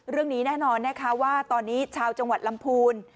เรื่องนี้แน่นอนนะคะว่าตอนนี้ชาวจังหวัดลำพูน